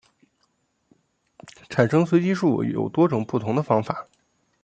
产生随机数有多种不同的方法。